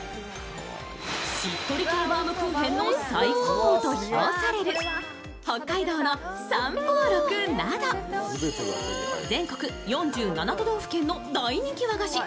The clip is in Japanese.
しっとり系バームクーヘンの最高峰と評される北海道の三方六など全国４７都道府県の大人気和菓子